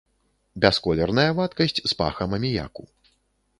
Бясколерная вадкасць з пахам аміяку.